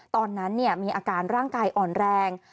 ตอนนั้นมีอาการร่างกายอ่อนแรง